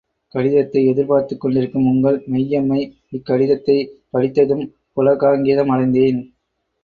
கடிதத்தை எதிர்பார்த்துக் கொண்டிருக்கும் உங்கள், மெய்யம்மை இக்கடிதத்தைப் படித்ததும் புளகாங்கிதமடைந்தேன்.